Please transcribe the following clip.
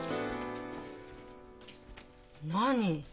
何？